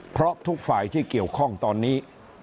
เพราะทุกฝ่ายที่เกี่ยวข้องตอนนี้